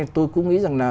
tôi cũng nghĩ rằng là